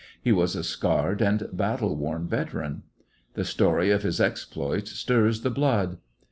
He was a scarred and battle worn veteran. The story of his exploits stirs the blood.